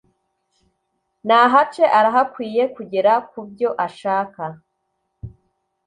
nahace arahakwiye kugera kubyo ashaka